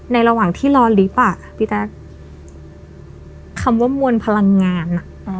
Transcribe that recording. ในระหว่างที่รอลิฟท์คำว่ามวลพลังงาน